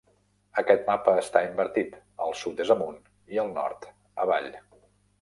Aquest mapa està invertit; el sud és amunt i el nord avall.